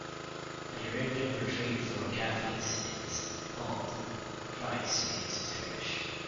A derivative retreat for Catholics is called "Christ Renews His Parish".